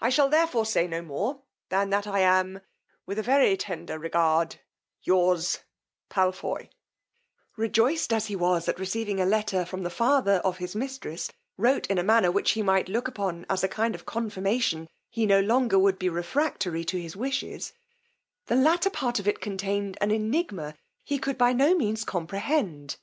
I shall therefore say no more than that I am, with a very tender regard, Yours, PALFOY" Rejoiced as he was at receiving a letter from the father of his mistress, wrote in a manner which he might look upon as a kind of confirmation he no longer would be refractory to his wishes, the latter part of it contained an enigma he could by no means comprehend.